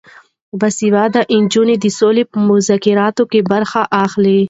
باسواده نجونې د سولې په مذاکراتو کې برخه اخلي.